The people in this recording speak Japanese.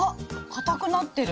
かたくなってる。